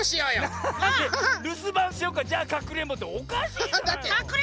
るすばんしようかじゃあかくれんぼっておかしいじゃないの！